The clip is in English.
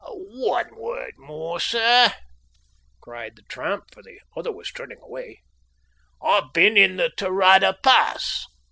"One word more, sir," cried the tramp, for the other was turning away, "I've been in the Tarada Pass."